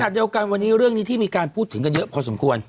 เดียวกันวันนี้เรื่องนี้ที่มีการพูดถึงกันเยอะพอสมควร